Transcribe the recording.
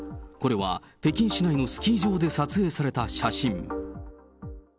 これは、北京市内のスキー場で撮影された写真。